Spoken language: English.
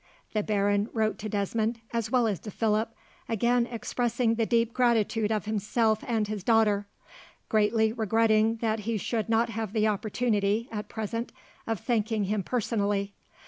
The baron wrote to Desmond, as well as to Philip, again expressing the deep gratitude of himself and his daughter, greatly regretting that he should not have the opportunity, at present, of thanking him personally.